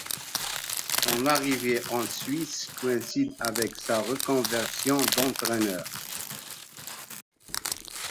Son arrivée en Suisse coïncide avec sa reconversion d'entraîneur.